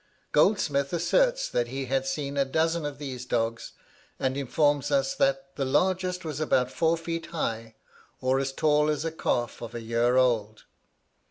Goldsmith asserts that he had seen a dozen of these dogs, and informs us "that the largest was about four feet high, or as tall as a calf of a year old.